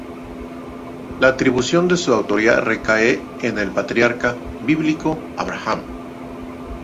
La atribución de su autoría recae en el patriarca bíblico Abraham.